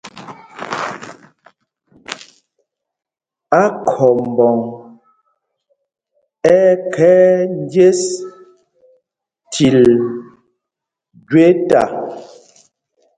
Akhɔmbɔŋ ɛ́ ɛ́ khɛɛ njes til jweta.